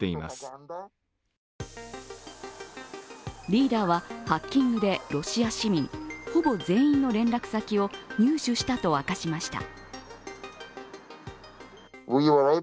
リーダーはハッキングでロシア市民ほぼ全員の連絡先を入手したと明かしました。